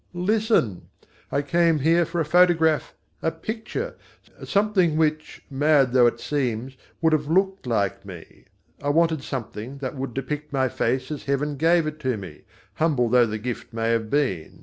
"Listen! I came here for a photograph a picture something which (mad though it seems) would have looked like me. I wanted something that would depict my face as Heaven gave it to me, humble though the gift may have been.